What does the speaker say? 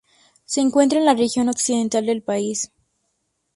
Se encuentra en la región occidental del país.